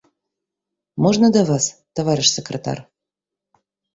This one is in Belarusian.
Можна да вас, таварыш сакратар?